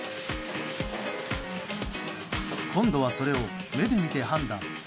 今度はそれを目で見て判断。